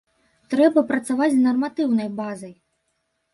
Трэба працаваць з нарматыўнай базай.